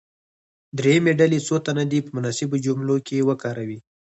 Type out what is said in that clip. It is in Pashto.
دریمې ډلې څو تنه دې په مناسبو جملو کې وکاروي.